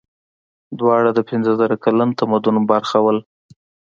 دواړه د پنځه زره کلن تمدن برخه وو.